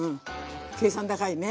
計算高いね。